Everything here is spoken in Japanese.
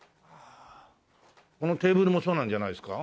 このテーブルもそうなんじゃないですか？